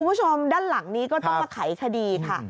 คุณผู้ชมด้านหลังนี้ก็ต้องมาไขคดีค่ะ